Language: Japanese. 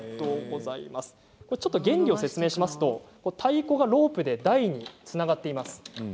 原理を説明しますと、太鼓がロープで台につながっています。